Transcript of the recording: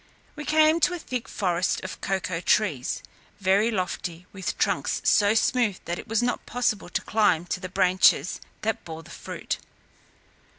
We came to a thick forest of cocoa trees, very lofty, with trunks so smooth that it was not possible to climb to the branches that bore the fruit.